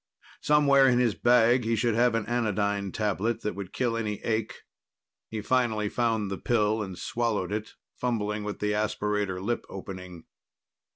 Somewhere in his bag, he should have an anodyne tablet that would kill any ache. He finally found the pill and swallowed it, fumbling with the aspirator lip opening.